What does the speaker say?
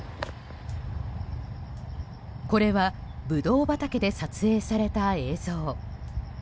これはブドウ畑で撮影された映像。